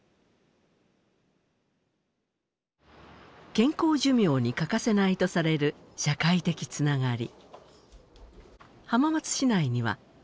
健康寿命に欠かせないとされる社会的つながり。